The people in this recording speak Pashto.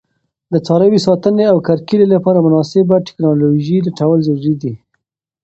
د څاروي ساتنې او کرکیلې لپاره مناسبه تکنالوژي لټول ضروري دي.